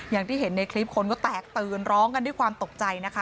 อย่างที่เห็นในคลิปคนก็แตกตื่นร้องกันด้วยความตกใจนะคะ